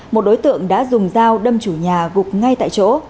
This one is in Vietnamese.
một đối tượng đã dùng dao đâm chủ nhà gục ngay tại chỗ